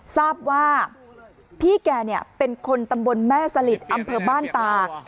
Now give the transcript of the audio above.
ทราบว่าพี่แกเป็นคนตำบลแม่สลิดอำเภอบ้านตาก